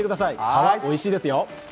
皮、おいしいですよ。